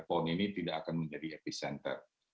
pon ini tidak akan menjadi epicenter